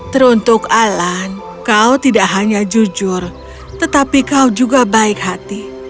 teruntuk alan kau tidak hanya jujur tetapi kau juga baik hati